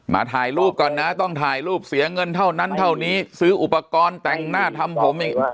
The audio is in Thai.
ถ่ายรูปก่อนนะต้องถ่ายรูปเสียเงินเท่านั้นเท่านี้ซื้ออุปกรณ์แต่งหน้าทำผมอีก